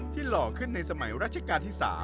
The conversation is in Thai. หล่อขึ้นในสมัยราชการที่๓